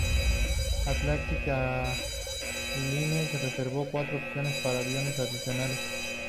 Atlantic Airlines reservó cuatro opciones para aviones adicionales.